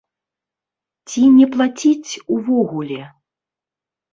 Ці не плаціць, увогуле?